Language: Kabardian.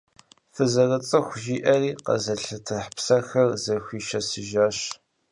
Фызэрыцӏыху, — жиӏэри къэзылъэтыхь псэхэр зэхуишэсыжащ.